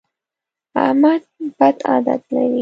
احمد بد عادت لري.